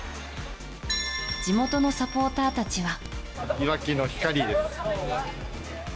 地元のサポーターたちは。